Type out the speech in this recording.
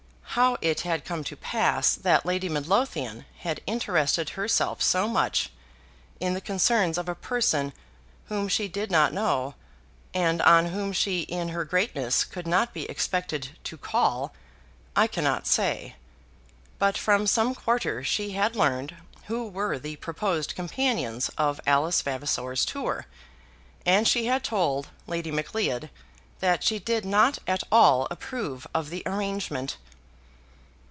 How it had come to pass that Lady Midlothian had interested herself so much in the concerns of a person whom she did not know, and on whom she in her greatness could not be expected to call, I cannot say; but from some quarter she had learned who were the proposed companions of Alice Vavasor's tour, and she had told Lady Macleod that she did not at all approve of the arrangement.